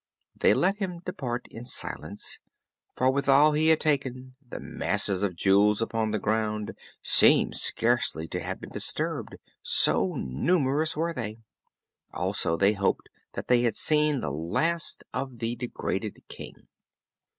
They let him depart in silence, for with all he had taken, the masses of jewels upon the ground seemed scarcely to have been disturbed, so numerous were they. Also they hoped they had seen the last of the degraded King.